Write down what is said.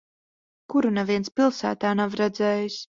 Kuru neviens pilsētā nav redzējis.